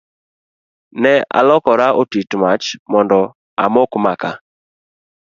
Ne alokora otit mach mondo amok maka.